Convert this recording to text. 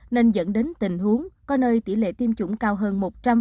nên dẫn đến tình huống có nơi tỷ lệ tiêm chủng cao hơn một trăm linh